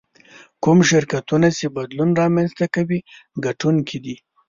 کوم شرکتونه چې بدلون رامنځته کوي ګټونکي دي.